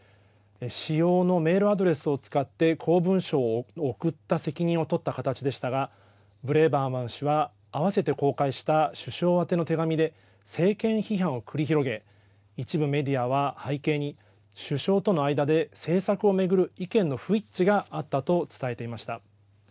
私用のメールアドレスを使って公文書を送った責任を取った形でしたがブレーバーマン氏は合わせて公開した首相宛ての手紙で政権批判を繰り広げ一部メディアは、背景に首相との間で政策を巡る意見の不一致があったと伝えていました。